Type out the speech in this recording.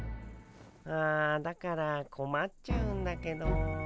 あだからこまっちゃうんだけど。